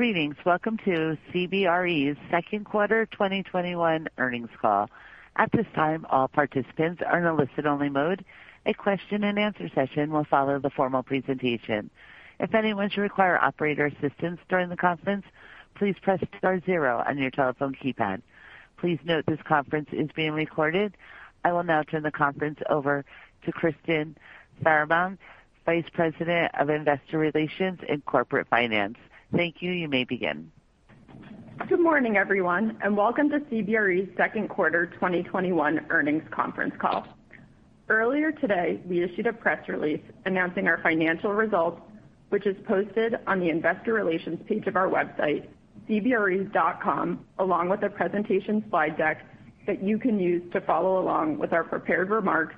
Greetings. Welcome to CBRE second quarter 2021 earnings call. At this time, all participants are on only listening mode, a question-and-answer session will follow the formal presentation. If anyone require operator assistance during the conference, please press star zero on your telephone keypad. Please note this conference is being recorded. I will now turn the conference over to Kristyn Farahmand, Vice President of Investor Relations and Corporate Finance. Thank you. You may begin. Good morning, everyone, and welcome to CBRE's second quarter 2021 earnings conference call. Earlier today, we issued a press release announcing our financial results, which is posted on the investor relations page of our website, cbre.com, along with a presentation slide deck that you can use to follow along with our prepared remarks,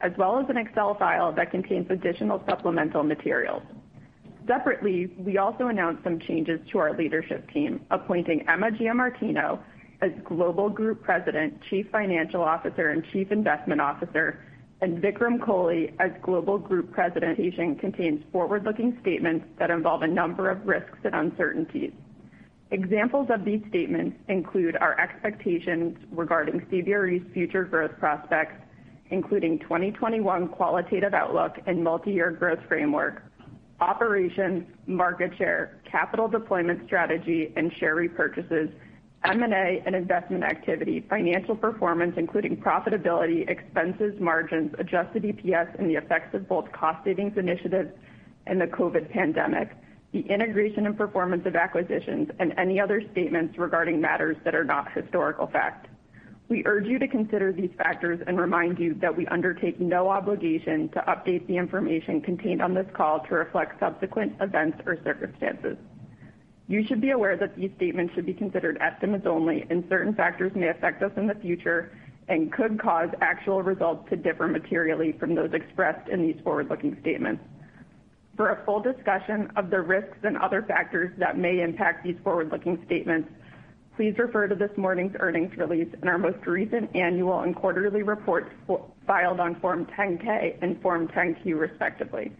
as well as an Excel file that contains additional supplemental materials. Separately, we also announced some changes to our leadership team, appointing Emma Giamartino as Global Group President, Chief Financial Officer, and Chief Investment Officer, and Vikram Kohli as Global Group President. The presentation contains forward-looking statements that involve a number of risks and uncertainties. Examples of these statements include our expectations regarding CBRE's future growth prospects, including 2021 qualitative outlook and multi-year growth framework, operations, market share, capital deployment strategy, and share repurchases, M&A and investment activity, financial performance, including profitability, expenses, margins, adjusted EPS, and the effects of both cost savings initiatives and the COVID pandemic, the integration and performance of acquisitions, and any other statements regarding matters that are not historical fact. We urge you to consider these factors and remind you that we undertake no obligation to update the information contained on this call to reflect subsequent events or circumstances. You should be aware that these statements should be considered estimates only, and certain factors may affect us in the future and could cause actual results to differ materially from those expressed in these forward-looking statements. For a full discussion of the risks and other factors that may impact these forward-looking statements, please refer to this morning's earnings release and our most recent annual and quarterly reports filed on Form 10-K and Form 10-Q, respectively.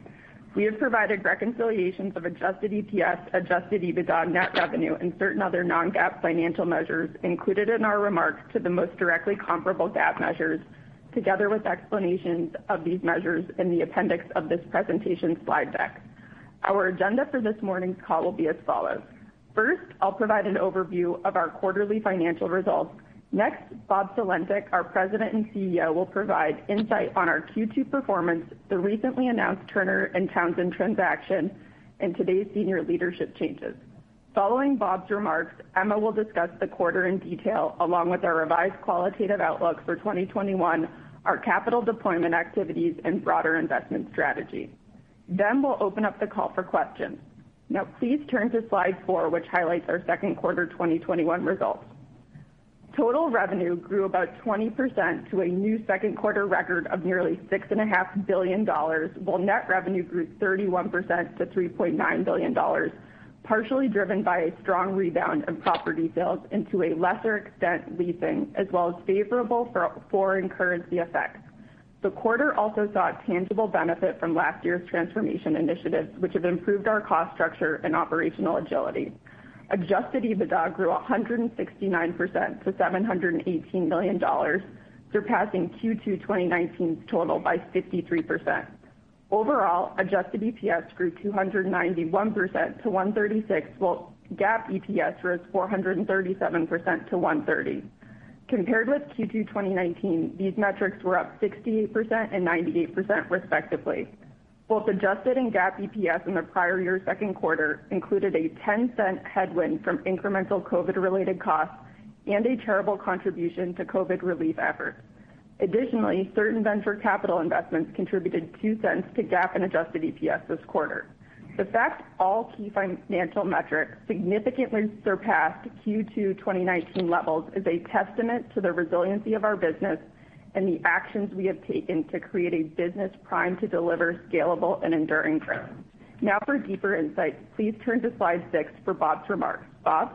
We have provided reconciliations of adjusted EPS, adjusted EBITDA, net revenue, and certain other non-GAAP financial measures included in our remarks to the most directly comparable GAAP measures, together with explanations of these measures in the appendix of this presentation slide deck. Our agenda for this morning's call will be as follows. First, I'll provide an overview of our quarterly financial results. Next, Bob Sulentic, our President and CEO, will provide insight on our Q2 performance, the recently announced Turner & Townsend transaction, and today's senior leadership changes. Following Bob's remarks, Emma will discuss the quarter in detail, along with our revised qualitative outlook for 2021, our capital deployment activities, and broader investment strategy. We'll open up the call for questions. Now please turn to slide four, which highlights our second quarter 2021 results. Total revenue grew about 20% to a new second quarter record of nearly $6.5 billion, while net revenue grew 31% to $3.9 billion, partially driven by a strong rebound in property sales and to a lesser extent, leasing, as well as favorable foreign currency effects. The quarter also saw tangible benefit from last year's transformation initiatives, which have improved our cost structure and operational agility. Adjusted EBITDA grew 169% to $718 million, surpassing Q2 2019's total by 53%. Overall, adjusted EPS grew 291% to $1.36, while GAAP EPS rose 437% to $1.30. Compared with Q2 2019, these metrics were up 68% and 98%, respectively. Both adjusted and GAAP EPS in the prior year second quarter included a $0.10 headwind from incremental COVID-related costs and a charitable contribution to COVID relief efforts. Additionally, certain venture capital investments contributed $0.02 to GAAP and adjusted EPS this quarter. The fact all key financial metrics significantly surpassed Q2 2019 levels is a testament to the resiliency of our business and the actions we have taken to create a business primed to deliver scalable and enduring growth. Now for deeper insights, please turn to slide six for Bob's remarks. Bob?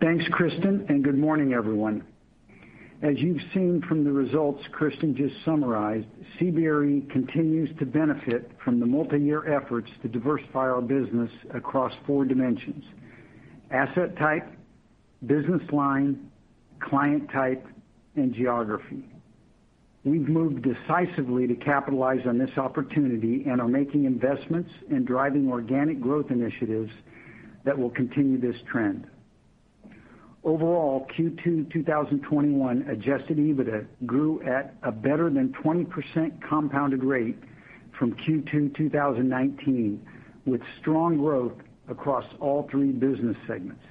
Thanks, Kristyn, good morning, everyone. As you've seen from the results Kristyn just summarized, CBRE continues to benefit from the multi-year efforts to diversify our business across four dimensions: asset type, business line, client type, and geography. We've moved decisively to capitalize on this opportunity and are making investments and driving organic growth initiatives that will continue this trend. Overall, Q2 2021 adjusted EBITDA grew at a better than 20% compounded rate from Q2 2019, with strong growth across all three business segments.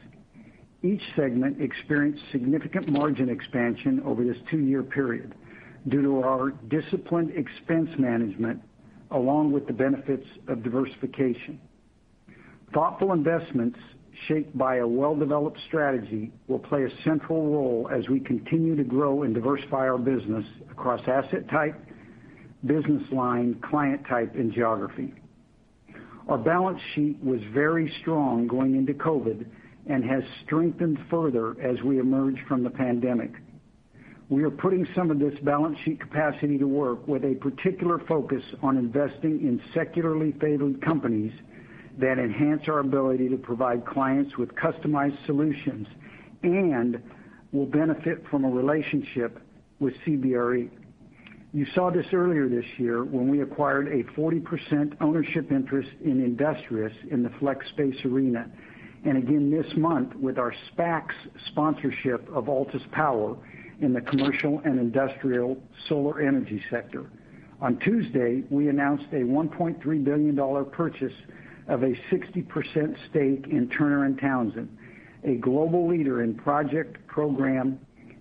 Each segment experienced significant margin expansion over this two-year period due to our disciplined expense management along with the benefits of diversification. Thoughtful investments shaped by a well-developed strategy will play a central role as we continue to grow and diversify our business across asset type, business line, client type, and geography. Our balance sheet was very strong going into COVID and has strengthened further as we emerge from the pandemic. We are putting some of this balance sheet capacity to work with a particular focus on investing in secularly favored companies that enhance our ability to provide clients with customized solutions and will benefit from a relationship with CBRE. You saw this earlier this year when we acquired a 40% ownership interest in Industrious in the flex space arena. Again this month with our SPAC sponsorship of Altus Power in the commercial and industrial solar energy sector. On Tuesday, we announced a $1.3 billion purchase of a 60% stake in Turner & Townsend, a global leader in project, program,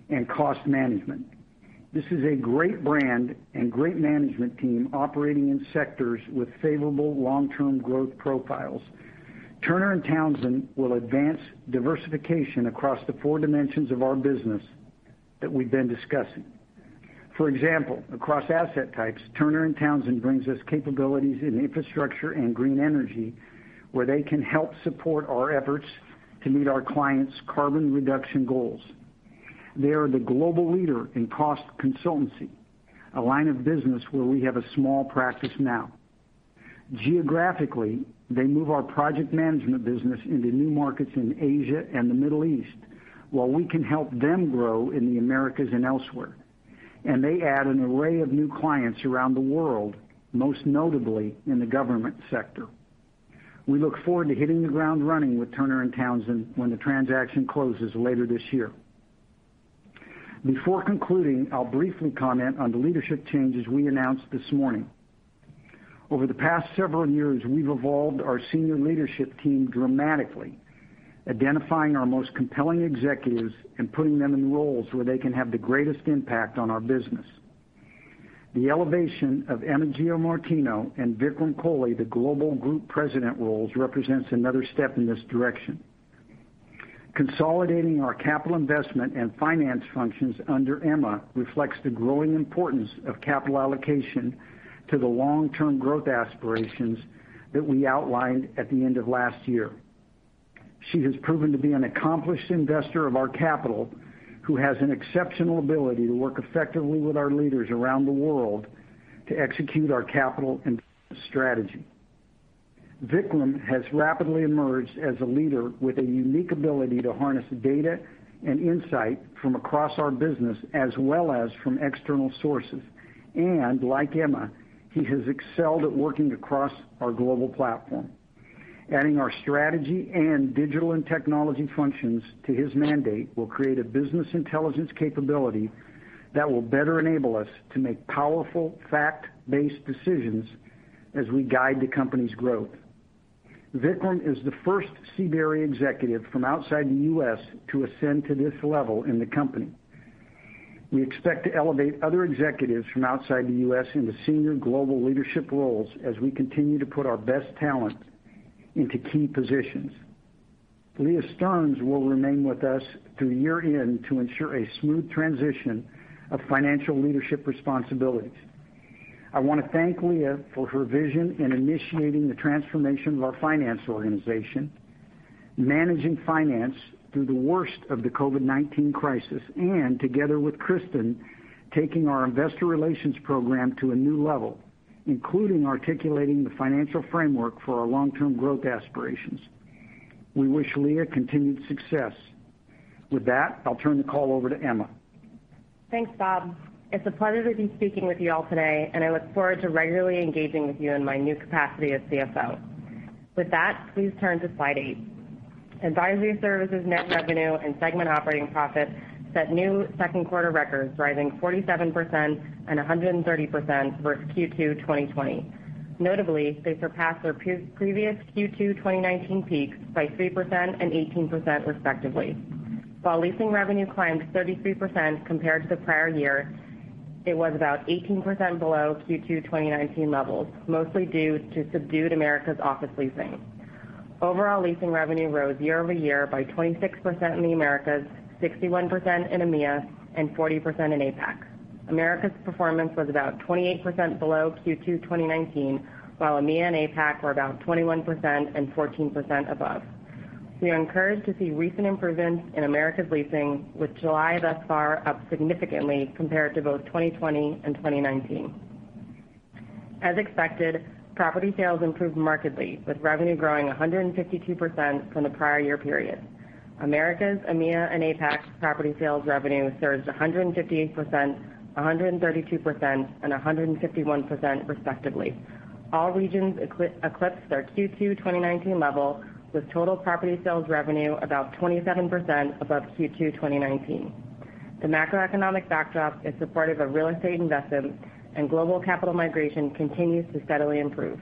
and cost management. This is a great brand and great management team operating in sectors with favorable long-term growth profiles. Turner & Townsend will advance diversification across the four dimensions of our business that we've been discussing. For example, across asset types, Turner & Townsend brings us capabilities in infrastructure and green energy, where they can help support our efforts to meet our clients' carbon reduction goals. They are the global leader in cost consultancy, a line of business where we have a small practice now. Geographically, they move our project management business into new markets in Asia and the Middle East, while we can help them grow in the Americas and elsewhere, and they add an array of new clients around the world, most notably in the government sector. We look forward to hitting the ground running with Turner & Townsend when the transaction closes later this year. Before concluding, I'll briefly comment on the leadership changes we announced this morning. Over the past several years, we've evolved our senior leadership team dramatically, identifying our most compelling executives and putting them in roles where they can have the greatest impact on our business. The elevation of Emma Giamartino and Vikram Kohli, the global group president roles, represents another step in this direction. Consolidating our capital investment and finance functions under Emma reflects the growing importance of capital allocation to the long-term growth aspirations that we outlined at the end of last year. She has proven to be an accomplished investor of our capital, who has an exceptional ability to work effectively with our leaders around the world to execute our capital and strategy. Vikram has rapidly emerged as a leader with a unique ability to harness data and insight from across our business as well as from external sources. Like Emma, he has excelled at working across our global platform. Adding our strategy and digital and technology functions to his mandate will create a business intelligence capability that will better enable us to make powerful, fact-based decisions as we guide the company's growth. Vikram is the first CBRE executive from outside the U.S. to ascend to this level in the company. We expect to elevate other executives from outside the U.S. into senior global leadership roles as we continue to put our best talent into key positions. Leah Stearns will remain with us through year-end to ensure a smooth transition of financial leadership responsibilities. I want to thank Leah for her vision in initiating the transformation of our finance organization, managing finance through the worst of the COVID-19 crisis, and together with Kristyn Farahmand, taking our investor relations program to a new level, including articulating the financial framework for our long-term growth aspirations. We wish Leah continued success. With that, I'll turn the call over to Emma. Thanks, Bob. It's a pleasure to be speaking with you all today, and I look forward to regularly engaging with you in my new capacity as CFO. With that, please turn to slide eight. advisory services net revenue and segment operating profit set new second quarter records, rising 47% and 130% versus Q2 2020. Notably, they surpassed their previous Q2 2019 peaks by 3% and 18%, respectively. While leasing revenue climbed 33% compared to the prior year, it was about 18% below Q2 2019 levels, mostly due to subdued Americas office leasing. Overall leasing revenue rose year-over-year by 26% in the Americas, 61% in EMEA, and 40% in APAC. Americas performance was about 28% below Q2 2019, while EMEA and APAC were about 21% and 14% above. We are encouraged to see recent improvements in Americas leasing, with July thus far up significantly compared to both 2020 and 2019. As expected, property sales improved markedly, with revenue growing 152% from the prior year period. Americas, EMEA, and APAC property sales revenue surged 158%, 132%, and 151%, respectively. All regions eclipsed their Q2 2019 level, with total property sales revenue about 27% above Q2 2019. The macroeconomic backdrop is supportive of real estate investment, and global capital migration continues to steadily improve.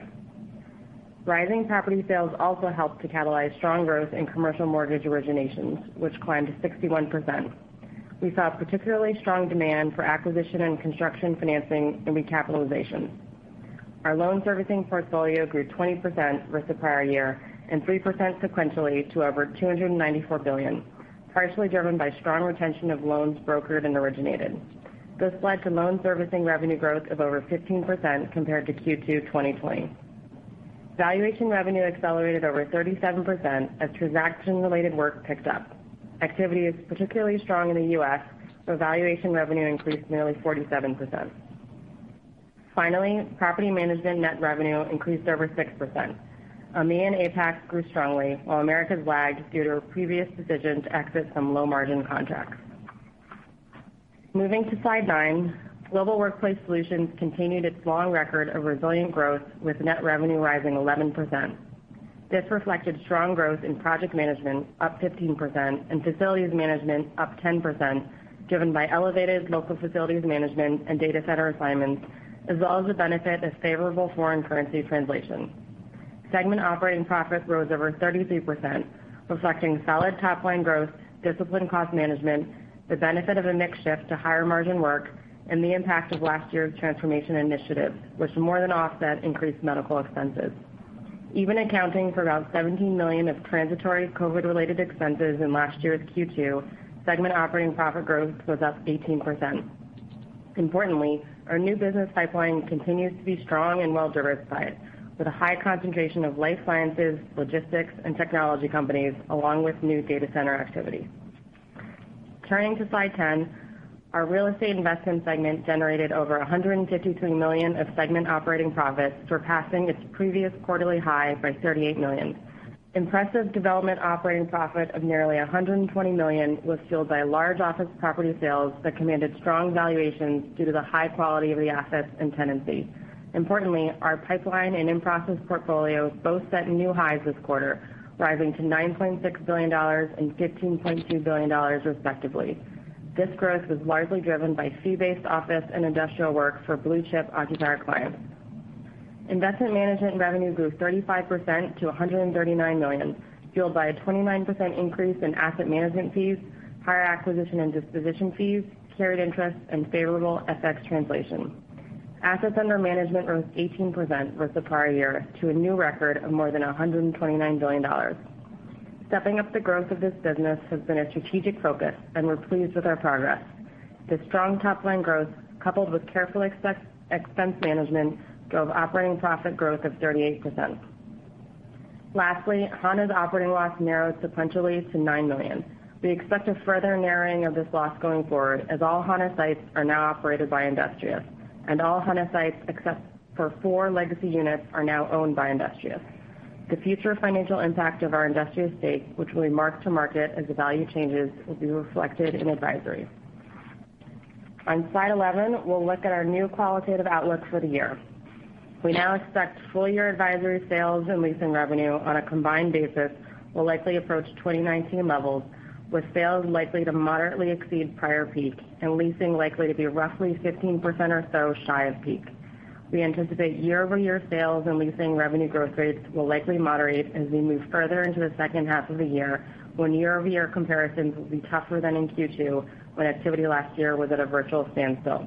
Rising property sales also helped to catalyze strong growth in commercial mortgage originations, which climbed to 61%. We saw particularly strong demand for acquisition and construction financing and recapitalization. Our loan servicing portfolio grew 20% versus the prior year and 3% sequentially to over $294 billion, partially driven by strong retention of loans brokered and originated. This led to loan servicing revenue growth of over 15% compared to Q2 2020. Valuation revenue accelerated over 37% as transaction-related work picked up. Activity is particularly strong in the U.S., where valuation revenue increased nearly 47%. Finally, property management net revenue increased over 6%. EMEA and APAC grew strongly, while Americas lagged due to a previous decision to exit some low-margin contracts. Moving to slide nine, Global Workplace Solutions continued its long record of resilient growth with net revenue rising 11%. This reflected strong growth in project management up 15% and facilities management up 10%, driven by elevated local facilities management and data center assignments, as well as the benefit of favorable foreign currency translations. Segment operating profit rose over 33%, reflecting solid top-line growth, disciplined cost management, the benefit of a mix shift to higher margin work, and the impact of last year's transformation initiative, which more than offset increased medical expenses. Even accounting for about $17 million of transitory COVID-related expenses in last year's Q2, segment operating profit growth was up 18%. Importantly, our new business pipeline continues to be strong and well-diversified, with a high concentration of life sciences, logistics, and technology companies, along with new data center activity. Turning to slide 10, our real estate investment segment generated over $152 million of segment operating profits, surpassing its previous quarterly high by $38 million. Impressive development operating profit of nearly $120 million was fueled by large office property sales that commanded strong valuations due to the high quality of the assets and tenancy. Importantly, our pipeline and in-process portfolios both set new highs this quarter, rising to $9.6 billion and $15.2 billion, respectively. This growth was largely driven by fee-based office and industrial work for blue-chip occupier clients. Investment Management revenue grew 35% to $139 million, fueled by a 29% increase in asset management fees, higher acquisition and disposition fees, carried interest, and favorable FX translation. Assets under management rose 18% versus prior year to a new record of more than $129 billion. Stepping up the growth of this business has been a strategic focus. We're pleased with our progress. This strong top-line growth, coupled with careful expense management, drove operating profit growth of 38%. Lastly, Hana's operating loss narrowed sequentially to $9 million. We expect a further narrowing of this loss going forward, as all Hana sites are now operated by Industrious, and all Hana sites except for four legacy units are now owned by Industrious. The future financial impact of our Industrious stake, which we mark to market as the value changes, will be reflected in advisory. On slide 11, we'll look at our new qualitative outlook for the year. We now expect full-year advisory sales and leasing revenue on a combined basis will likely approach 2019 levels, with sales likely to moderately exceed prior peak and leasing likely to be roughly 15% or so shy of peak. We anticipate year-over-year sales and leasing revenue growth rates will likely moderate as we move further into the second half of the year, when year-over-year comparisons will be tougher than in Q2, when activity last year was at a virtual standstill.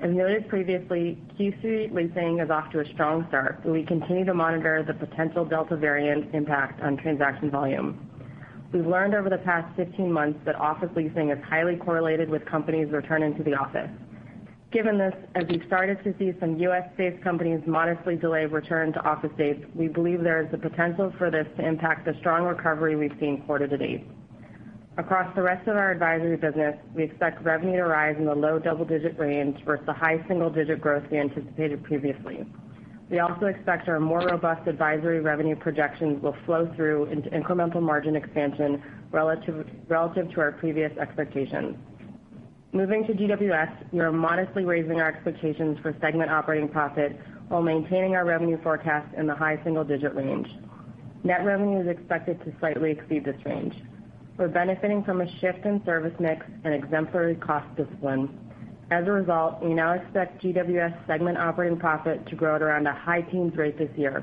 As noted previously, Q3 leasing is off to a strong start, but we continue to monitor the potential Delta variant impact on transaction volume. We've learned over the past 15 months that office leasing is highly correlated with companies returning to the office. Given this, as we've started to see some U.S.-based companies modestly delay return to office dates, we believe there is the potential for this to impact the strong recovery we've seen quarter to date. Across the rest of our advisory business, we expect revenue to rise in the low double-digit range versus the high single-digit growth we anticipated previously. We also expect our more robust advisory revenue projections will flow through into incremental margin expansion relative to our previous expectations. Moving to GWS, we are modestly raising our expectations for segment operating profit while maintaining our revenue forecast in the high single-digit range. Net revenue is expected to slightly exceed this range. We're benefiting from a shift in service mix and exemplary cost discipline. As a result, we now expect GWS segment operating profit to grow at around a high teens rate this year,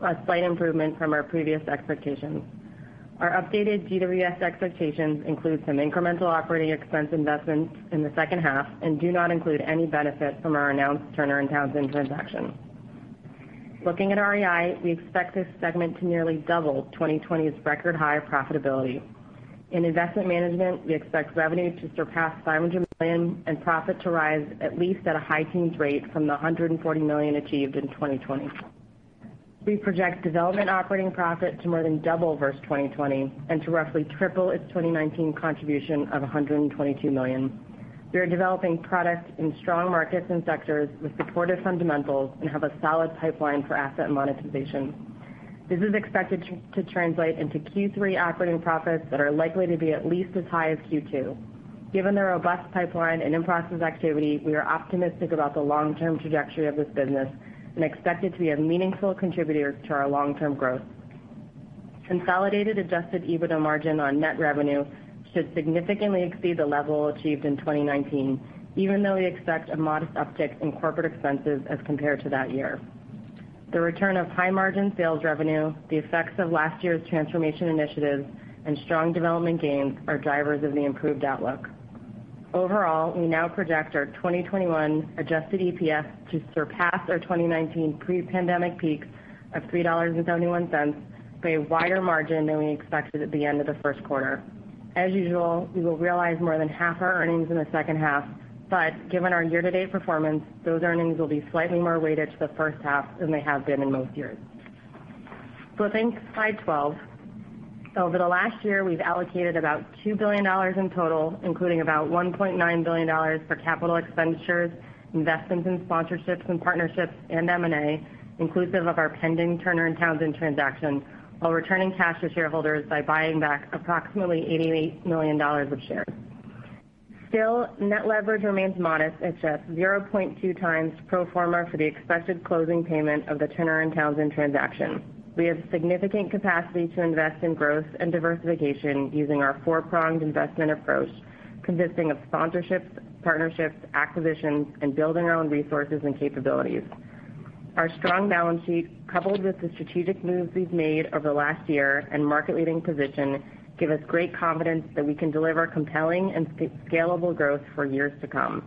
a slight improvement from our previous expectations. Our updated GWS expectations include some incremental operating expense investments in the second half and do not include any benefit from our announced Turner & Townsend transaction. Looking at REI, we expect this segment to nearly double 2020's record high profitability. In investment management, we expect revenue to surpass $500 million and profit to rise at least at a high teens rate from the $140 million achieved in 2020. We project development operating profit to more than double versus 2020 and to roughly triple its 2019 contribution of $122 million. We are developing product in strong markets and sectors with supportive fundamentals and have a solid pipeline for asset monetization. This is expected to translate into Q3 operating profits that are likely to be at least as high as Q2. Given the robust pipeline and in-process activity, we are optimistic about the long-term trajectory of this business and expect it to be a meaningful contributor to our long-term growth. Consolidated adjusted EBITDA margin on net revenue should significantly exceed the level achieved in 2019, even though we expect a modest uptick in corporate expenses as compared to that year. The return of high margin sales revenue, the effects of last year's transformation initiatives, and strong development gains are drivers of the improved outlook. Overall, we now project our 2021 adjusted EPS to surpass our 2019 pre-pandemic peaks of $3.71 by a wider margin than we expected at the end of the first quarter. As usual, we will realize more than half our earnings in the second half. Given our year-to-date performance, those earnings will be slightly more weighted to the first half than they have been in most years. Flipping to slide 12. Over the last year, we've allocated about $2 billion in total, including about $1.9 billion for capital expenditures, investments in sponsorships and partnerships, and M&A, inclusive of our pending Turner & Townsend transaction, while returning cash to shareholders by buying back approximately $88 million of shares. Still, net leverage remains modest at just 0.2 times pro forma for the expected closing payment of the Turner & Townsend transaction. We have significant capacity to invest in growth and diversification using our four-pronged investment approach, consisting of sponsorships, partnerships, acquisitions, and building our own resources and capabilities. Our strong balance sheet, coupled with the strategic moves we've made over the last year and market-leading position, give us great confidence that we can deliver compelling and scalable growth for years to come.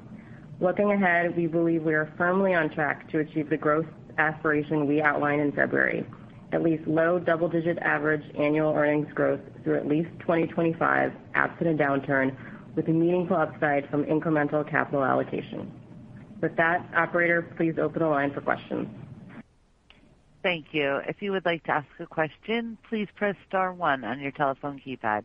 Looking ahead, we believe we are firmly on track to achieve the growth aspiration we outlined in February. At least low double-digit average annual earnings growth through at least 2025, absent a downturn, with a meaningful upside from incremental capital allocation. With that, operator, please open the line for questions. Thank you. If you would like to ask a question, please press star one on your telephone keypad.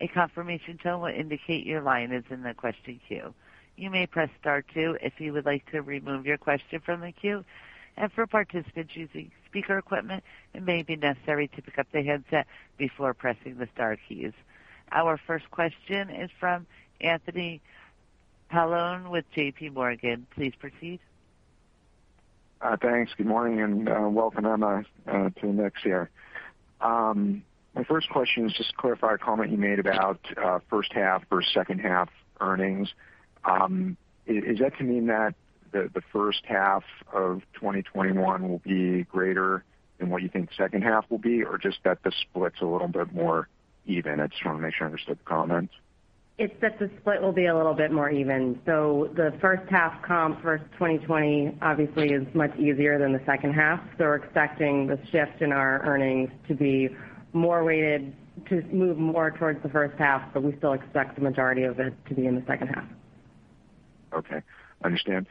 A confirmation tone will indicate your line is in the question queue. You may press star two if you would like to remove your question from the queue. For participants using speaker equipment, it may be necessary to pick up the headset before pressing the star keys. Our first question is from Anthony Paolone with JPMorgan. Please proceed. Thanks. Good morning, and welcome, Emma, to the next year. My first question is just to clarify a comment you made about first half versus second half earnings. Is that to mean that the first half of 2021 will be greater than what you think the second half will be? Or just that the split's a little bit more even? I just want to make sure I understood the comment. It's that the split will be a little bit more even. The first half comp for 2020 obviously is much easier than the second half. We're expecting the shift in our earnings to be more weighted to move more towards the first half, but we still expect the majority of it to be in the second half. Okay. Understand.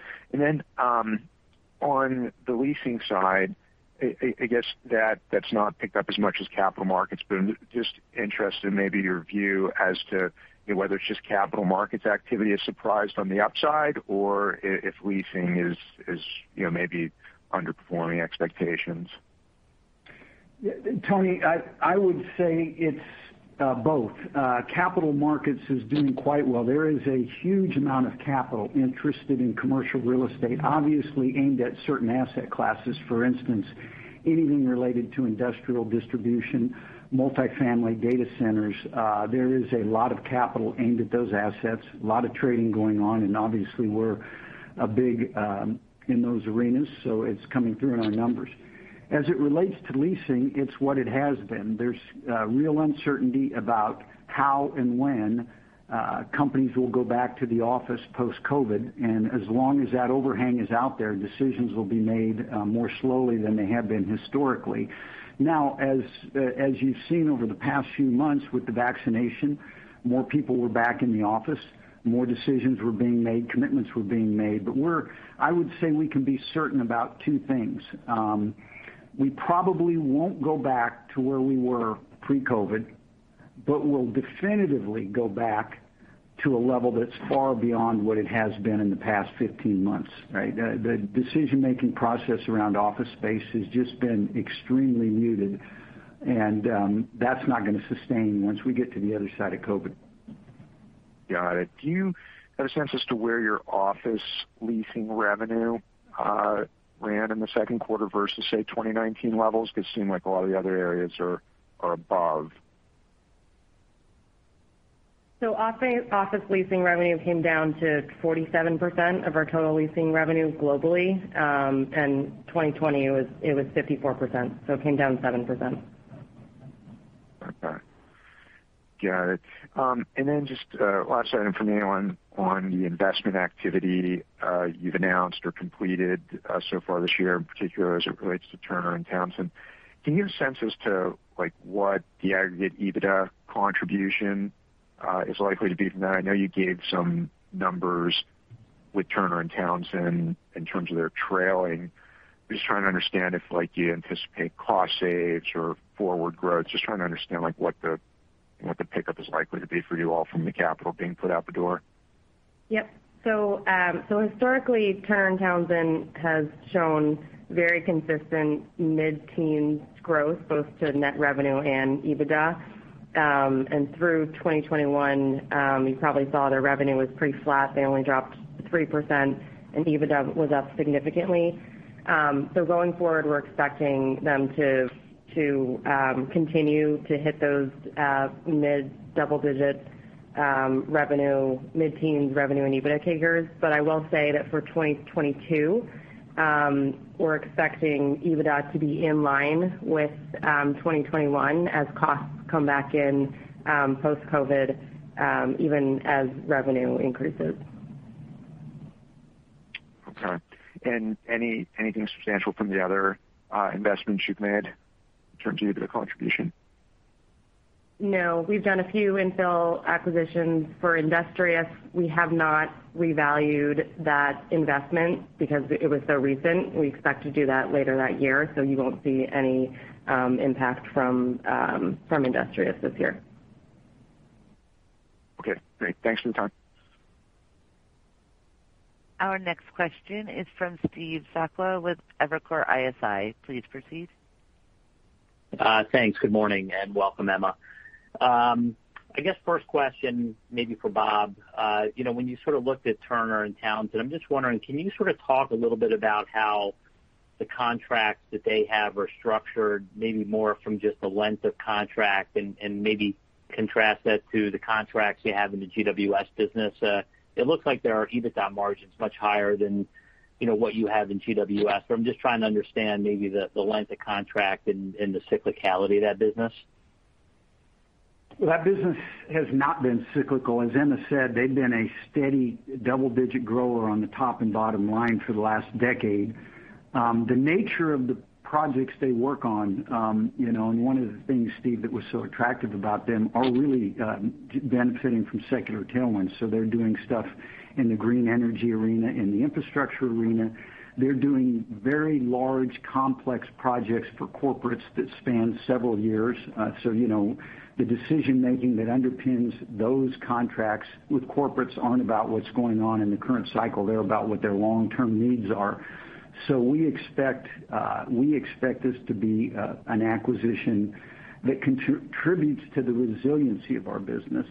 On the leasing side, I guess that's not picked up as much as capital markets, but I'm just interested in maybe your view as to whether it's just capital markets activity is surprised on the upside or if leasing is maybe underperforming expectations. Anthony, I would say it's both. Capital markets is doing quite well. There is a huge amount of capital interested in commercial real estate, obviously aimed at certain asset classes. For instance, anything related to industrial distribution, multifamily data centers. There is a lot of capital aimed at those assets, a lot of trading going on, and obviously we're big in those arenas, so it's coming through in our numbers. As it relates to leasing, it's what it has been. There's real uncertainty about how and when companies will go back to the office post-COVID. As long as that overhang is out there, decisions will be made more slowly than they have been historically. Now, as you've seen over the past few months with the vaccination, more people were back in the office. More decisions were being made, commitments were being made. I would say we can be certain about two things. We probably won't go back to where we were pre-COVID, but we'll definitively go back to a level that's far beyond what it has been in the past 15 months, right? The decision-making process around office space has just been extremely muted, and that's not going to sustain once we get to the other side of COVID. Got it. Do you have a sense as to where your office leasing revenue ran in the second quarter versus, say, 2019 levels? Because it seemed like a lot of the other areas are above. Office leasing revenue came down to 47% of our total leasing revenue globally. 2020, it was 54%, so it came down 7%. Okay. Got it. Just last item from me on the investment activity you've announced or completed so far this year, in particular as it relates to Turner & Townsend. Can you give a sense as to what the aggregate EBITDA contribution is likely to be from that? I know you gave some numbers with Turner & Townsend in terms of their trailing. Just trying to understand if you anticipate cost saves or forward growth. Just trying to understand what the pickup is likely to be for you all from the capital being put out the door. Yep. Historically, Turner & Townsend has shown very consistent mid-teen growth, both to net revenue and EBITDA. Through 2021, you probably saw their revenue was pretty flat. They only dropped 3%, and EBITDA was up significantly. Going forward, we're expecting them to continue to hit those mid-double-digit revenue, mid-teens revenue and EBITDA figures. I will say that for 2022, we're expecting EBITDA to be in line with 2021 as costs come back in post-COVID, even as revenue increases. Okay. Anything substantial from the other investments you've made in terms of EBITDA contribution? No. We've done a few infill acquisitions for Industrious. We have not revalued that investment because it was so recent. We expect to do that later that year, so you won't see any impact from Industrious this year. Okay, great. Thanks for your time. Our next question is from Steve Sakwa with Evercore ISI. Please proceed. Thanks. Good morning and welcome, Emma. I guess first question may be for Bob. When you sort of looked at Turner & Townsend, I'm just wondering, can you sort of talk a little bit about how the contracts that they have are structured, maybe more from just the length of contract, and maybe contrast that to the contracts you have in the GWS business? It looks like their EBITDA margin's much higher than what you have in GWS. I'm just trying to understand maybe the length of contract and the cyclicality of that business. Well, that business has not been cyclical. As Emma said, they've been a steady double-digit grower on the top and bottom line for the last decade. The nature of the projects they work on, and one of the things, Steve, that was so attractive about them, are really benefiting from secular tailwinds. They're doing stuff in the green energy arena, in the infrastructure arena. They're doing very large, complex projects for corporates that span several years. The decision-making that underpins those contracts with corporates aren't about what's going on in the current cycle. They're about what their long-term needs are. We expect this to be an acquisition that contributes to the resiliency of our business.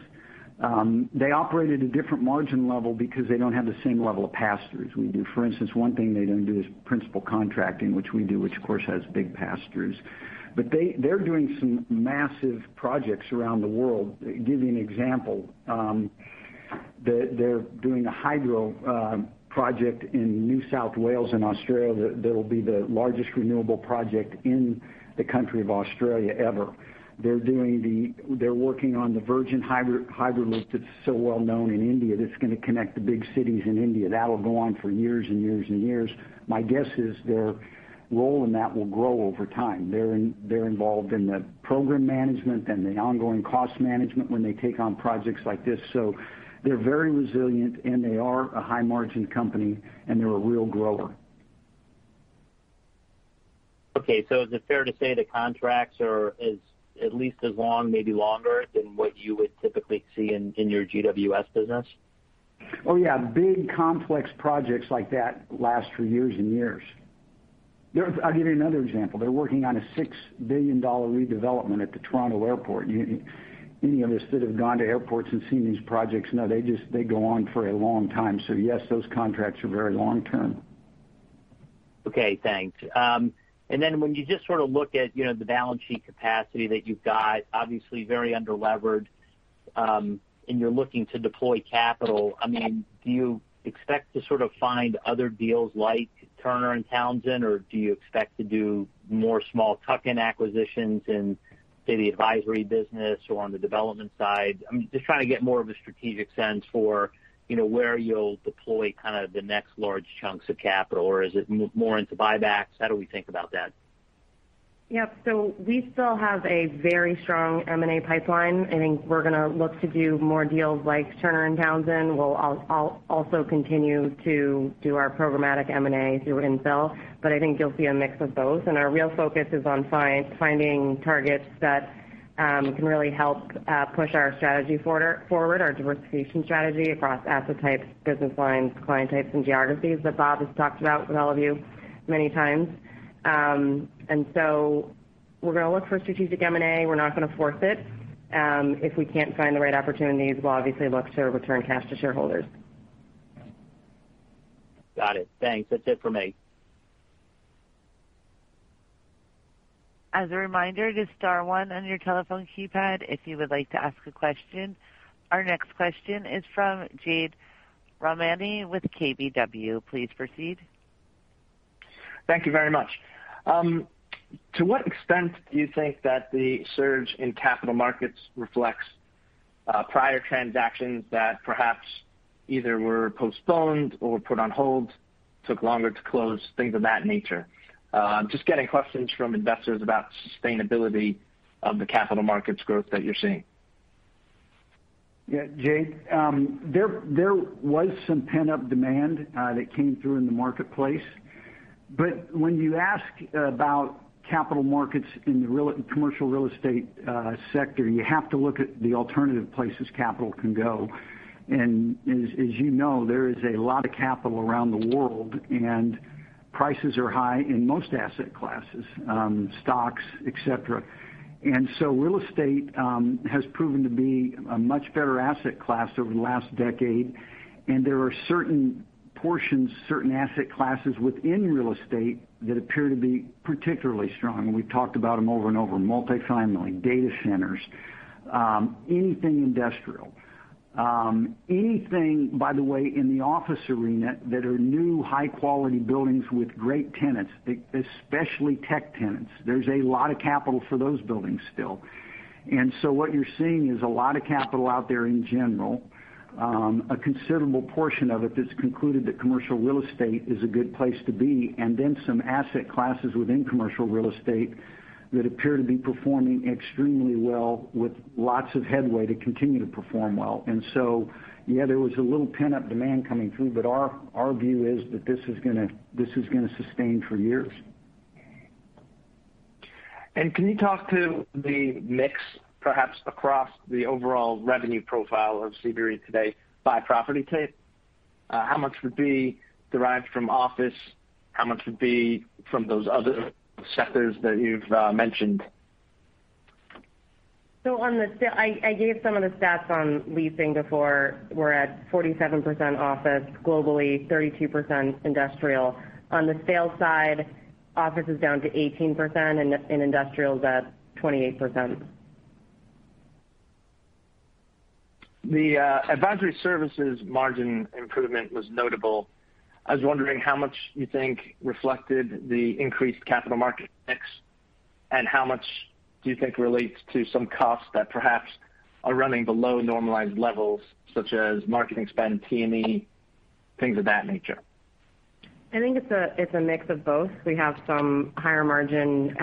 They operate at a different margin level because they don't have the same level of pass-throughs we do. For instance, one thing they don't do is principal contracting, which we do, which of course has big pass-throughs. They're doing some massive projects around the world. Give you an example. They're doing a hydro project in New South Wales in Australia that'll be the largest renewable project in the country of Australia ever. They're working on the Virgin Hyperloop that's so well-known in India, that's going to connect the big cities in India. That'll go on for years and years and years. My guess is their role in that will grow over time. They're involved in the program management and the ongoing cost management when they take on projects like this. They're very resilient, and they are a high-margin company, and they're a real grower. Is it fair to say the contracts are at least as long, maybe longer, than what you would typically see in your GWS business? Yeah. Big, complex projects like that last for years and years. I'll give you another example. They're working on a $6 billion redevelopment at the Toronto airport. Any of us that have gone to airports and seen these projects know they go on for a long time. Yes, those contracts are very long-term. Okay, thanks. When you just sort of look at the balance sheet capacity that you've got, obviously very under-levered, and you're looking to deploy capital. Do you expect to sort of find other deals like Turner & Townsend, or do you expect to do more small tuck-in acquisitions in, say, the advisory business or on the development side? I'm just trying to get more of a strategic sense for where you'll deploy kind of the next large chunks of capital, or is it more into buybacks? How do we think about that? Yep. We still have a very strong M&A pipeline. I think we're going to look to do more deals like Turner & Townsend. We'll also continue to do our programmatic M&A through infill, but I think you'll see a mix of both. Our real focus is on finding targets that can really help push our strategy forward, our diversification strategy across asset types, business lines, client types, and geographies that Bob has talked about with all of you many times. We're going to look for strategic M&A. We're not going to force it. If we can't find the right opportunities, we'll obviously look to return cash to shareholders. Got it. Thanks. That's it for me. As a reminder, just star one on your telephone keypad if you would like to ask a question. Our next question is from Jade Rahmani with KBW. Please proceed. Thank you very much. To what extent do you think that the surge in capital markets reflects prior transactions that perhaps either were postponed or put on hold, took longer to close, things of that nature? Just getting questions from investors about sustainability of the capital markets growth that you are seeing. Yeah, Jade. There was some pent-up demand that came through in the marketplace. When you ask about capital markets in the commercial real estate sector, you have to look at the alternative places capital can go. As you know, there is a lot of capital around the world, and prices are high in most asset classes, stocks, et cetera. Real estate has proven to be a much better asset class over the last decade, and there are certain portions, certain asset classes within real estate that appear to be particularly strong. We've talked about them over and over. Multifamily, data centers, anything industrial. Anything, by the way, in the office arena that are new, high-quality buildings with great tenants, especially tech tenants. There's a lot of capital for those buildings still. What you're seeing is a lot of capital out there in general. A considerable portion of it that's concluded that commercial real estate is a good place to be, and then some asset classes within commercial real estate that appear to be performing extremely well with lots of headway to continue to perform well. Yeah, there was a little pent-up demand coming through, but our view is that this is going to sustain for years. Can you talk to the mix, perhaps across the overall revenue profile of CBRE today by property type? How much would be derived from office? How much would be from those other sectors that you've mentioned? I gave some of the stats on leasing before. We're at 47% office globally, 32% industrial. On the sales side, office is down to 18%, and industrial is at 28%. The advisory services margin improvement was notable. I was wondering how much you think reflected the increased capital market mix, and how much do you think relates to some costs that perhaps are running below normalized levels, such as marketing spend, T&E, things of that nature? I think it's a mix of both. We have some higher margin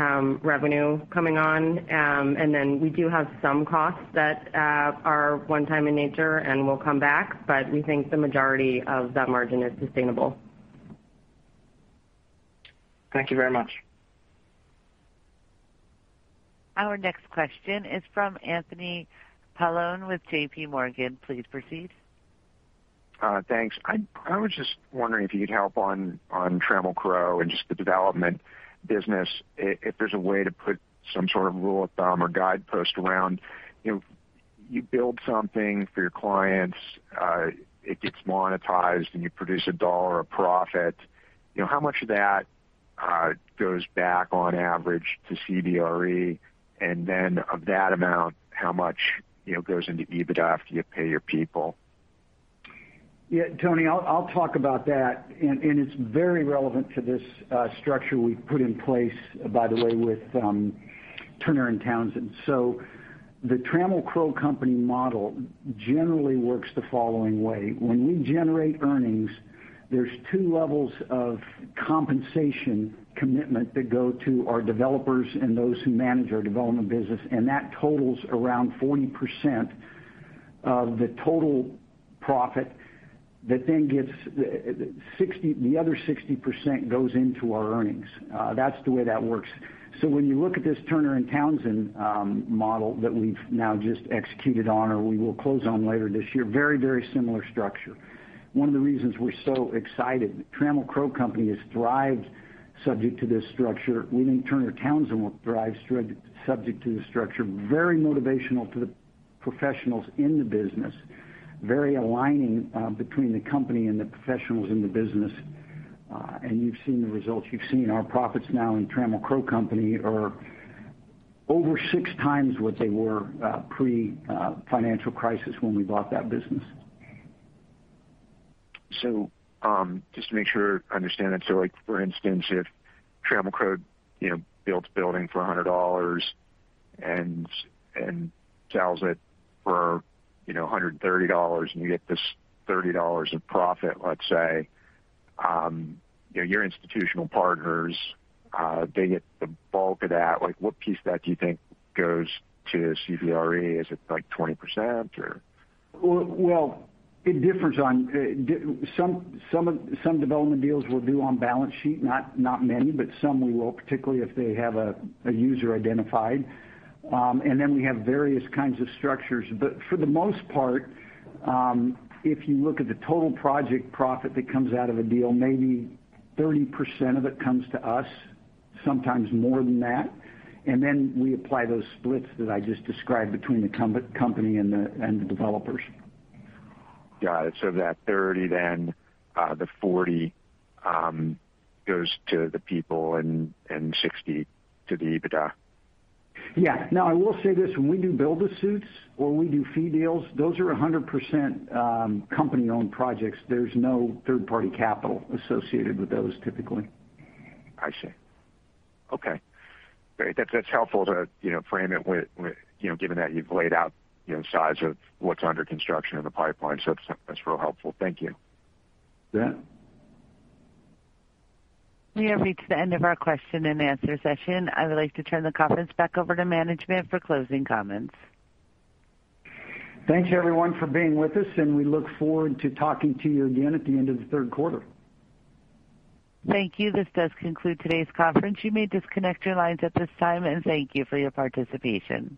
revenue coming on. We do have some costs that are one time in nature and will come back. We think the majority of that margin is sustainable. Thank you very much. Our next question is from Anthony Paolone with JPMorgan. Please proceed. Thanks. I was just wondering if you'd help on Trammell Crow and just the development business if there's a way to put some sort of rule of thumb or guidepost around. You build something for your clients, it gets monetized, and you produce a dollar, a profit. How much of that goes back on average to CBRE? Of that amount, how much goes into EBITDA after you pay your people? Yeah, Tony, I'll talk about that. It's very relevant to this structure we've put in place, by the way, with Turner & Townsend. The Trammell Crow Company model generally works the following way. When we generate earnings, there's two levels of compensation commitment that go to our developers and those who manage our development business, and that totals around 40% of the total profit. The other 60% goes into our earnings. That's the way that works. When you look at this Turner & Townsend model that we've now just executed on, or we will close on later this year, very similar structure. One of the reasons we're so excited, Trammell Crow Company has thrived subject to this structure. We think Turner & Townsend will thrive subject to the structure. Very motivational to the professionals in the business, very aligning between the company and the professionals in the business. You've seen the results. You've seen our profits now in Trammell Crow Company are over six times what they were pre-financial crisis when we bought that business. Just to make sure I understand that. Like for instance, if Trammell Crow builds a building for $100 and sells it for $130, and you get this $30 of profit let's say. Your institutional partners, they get the bulk of that. What piece of that do you think goes to CBRE? Is it like 20% or? Well, it differs. Some development deals we'll do on balance sheet. Not many, but some we will, particularly if they have a user identified. We have various kinds of structures. For the most part, if you look at the total project profit that comes out of a deal, maybe 30% of it comes to us, sometimes more than that. We apply those splits that I just described between the company and the developers. Got it. That 30% then, the 40% goes to the people and 60% to the EBITDA. Yeah. I will say this, when we do build-to-suits or we do fee deals, those are 100% company-owned projects. There's no third-party capital associated with those typically. I see. Okay. Great. That's helpful to frame it with, given that you've laid out size of what's under construction in the pipeline. That's real helpful. Thank you. Yeah. We have reached the end of our question-and-answer session. I would like to turn the conference back over to management for closing comments. Thank you everyone for being with us, and we look forward to talking to you again at the end of the third quarter. Thank you. This does conclude today's conference. You may disconnect your lines at this time, and thank you for your participation.